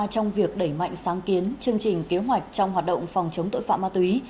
trong việc đẩy mạnh sáng kiến chương trình kế hoạch trong hoạt động phòng chống tội phạm ma túy